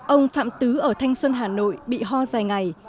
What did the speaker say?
ông phạm tứ ở thanh xuân hà nội bị ho dài ngày